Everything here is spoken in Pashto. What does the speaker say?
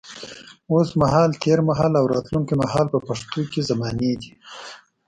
اوس مهال، تېر مهال او راتلونکي مهال په پښتو کې زمانې دي.